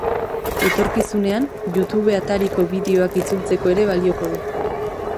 Etorkizunean youtube atariko bideoak itzultzeko ere balioko du.